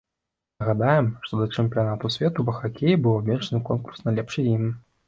Нагадаем, што да чэмпіянату свету па хакеі быў абвешчаны конкурс на лепшы гімн.